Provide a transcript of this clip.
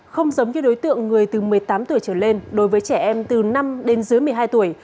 không giống như đối tượng người từ một mươi tám tuổi trở lên đối với trẻ em từ năm đến dưới một mươi hai tuổi